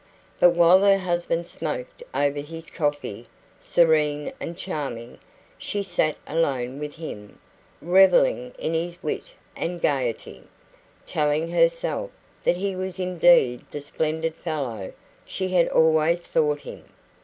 But while her husband smoked over his coffee, serene and charming, she sat alone with him, revelling in his wit and gaiety, telling herself that he was indeed the splendid fellow she had always thought him.